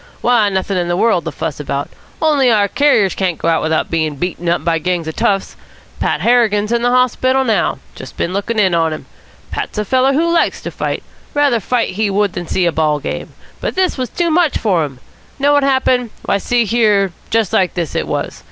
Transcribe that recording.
"Why, nothing in the world to fuss about, only our carriers can't go out without being beaten up by gangs of toughs. Pat Harrigan's in the hospital now. Just been looking in on him. Pat's a feller who likes to fight. Rather fight he would than see a ball game. But this was too much for him. Know what happened? Why, see here, just like this it was.